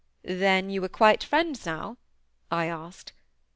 "Then you are quite friends now?" I asked.